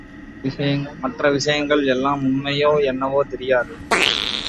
மற்ற விஷயங்கள் எல்லாம் உண்மையோ என்னவோ தெரியாது.